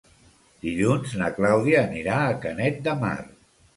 Dilluns na Clàudia anirà a Canet de Mar.